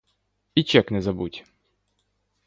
І чек не забудь.